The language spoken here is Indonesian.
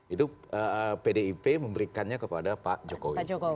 itu pdip memberikannya kepada pak jokowi